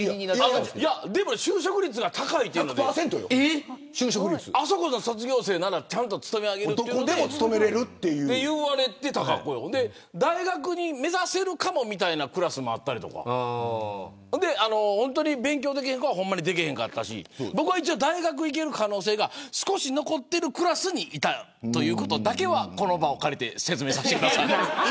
就職率が高いというのであそこの卒業生ならちゃんと勤め上げるということで大学を目指せるかもみたいなクラスもあったり勉強できない子は本当にできなかったし僕は一応、大学に行く可能性が少し残っているクラスにいたということだけはこの場を借りて説明します。